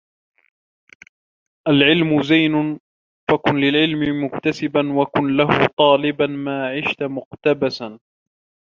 العلم زين فكن للعلم مكتسبا وكن له طالبا ما عشت مقتبسا